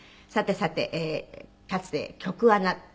さてさてかつて局アナ。